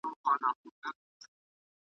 په خپل خیال کي ورڅرګند زرغون جهان سو ,